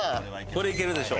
これいけるでしょ？